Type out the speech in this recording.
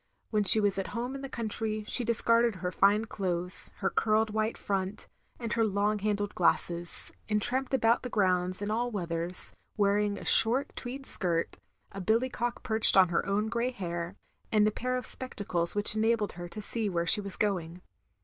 When she was at home in the country she dis carded her fine clothes, her curled white front, and her long handled glasses; and tramped about the grounds in all weathers, wearing a short tweed skirt, a billycock perched on her own grey hair, and a pair of spectacles which enabled her to see where she was going.